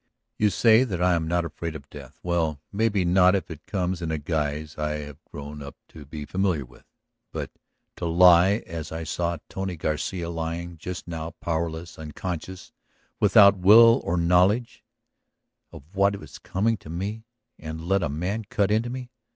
You say that I am not afraid of death; well, maybe not if it comes in a guise I have grown up to be familiar with. But to lie as I saw Tony Garcia lying just now, powerless, unconscious, without will or knowledge of what was coming to me, and to let a man cut into me